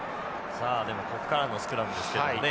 さあでもここからのスクラムですけどね